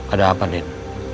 ada apa din